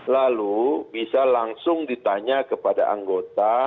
lalu bisa langsung ditanya kepada anggota